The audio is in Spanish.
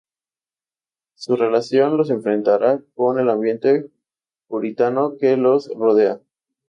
Su relación los enfrentará con el ambiente puritano que los rodea.